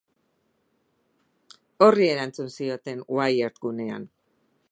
Horri erantzun zioten Wired gunean.